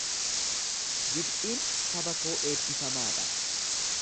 Gibxiin saba koo eebbifamaa dha.